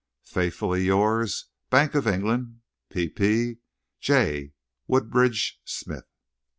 Faithfully yours, BANK OF ENGLAND. p. p. J. Woodridge Smith.